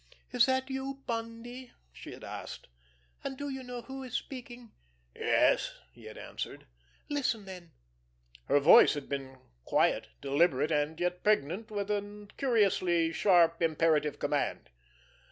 "Is that you, Bundy?" she had asked. "And do you know who is speaking?" "Yes," he had answered. "Listen, then!" Her voice had been quiet, deliberate, and yet pregnant with a curiously sharp, imperative command.